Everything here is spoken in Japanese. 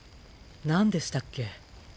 何でしたっけ？